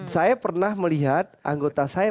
saya pernah melihat anggota saya